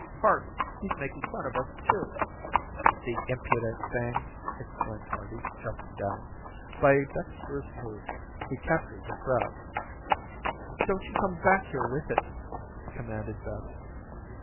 "Harvey, he's making fun of us, too," "The impudent thing," exclaimed Harvey, jumping down. By a dexterous move, he captured the crab. "Don't you come back here with it," commanded Beth.